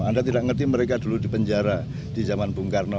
anda tidak mengerti mereka dulu di penjara di zaman bung karno